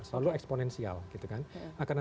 selalu eksponensial gitu kan